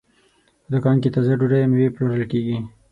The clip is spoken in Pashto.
په دوکان کې تازه ډوډۍ او مېوې پلورل کېږي.